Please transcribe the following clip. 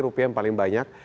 rupiah yang paling banyak